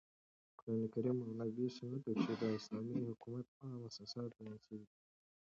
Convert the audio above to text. په قرانکریم او نبوي سنتو کښي د اسلامي حکومت عام اساسات بیان سوي دي.